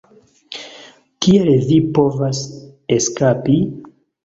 Kiel vi povas eskapi?"